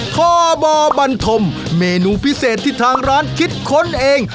ข้อบบันธมเมนูพิเศษที่ทางร้านคิดค้นเอง